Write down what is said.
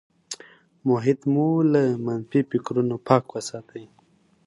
محیط مو له منفي فکرونو پاک وساتئ.